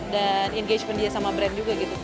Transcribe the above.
dan engagement dia sama brand juga gitu